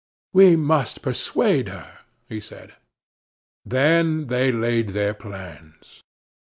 "We must persuade her," he said. Then they laid their plans.